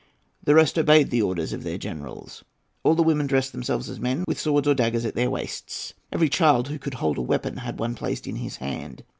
The rest obeyed the orders of the generals. All the women dressed themselves as men, with swords or daggers at their waists. Every child who could hold a weapon had one placed in his hand.